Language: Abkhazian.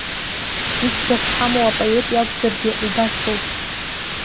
Зыӡбахә ҳамоу апоет иакәзаргьы убасоуп.